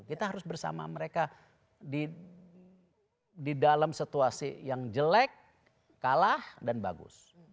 kita harus bersama mereka di dalam situasi yang jelek kalah dan bagus